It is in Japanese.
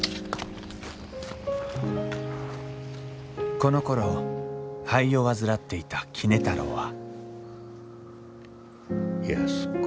このころ肺を患っていた杵太郎は安子。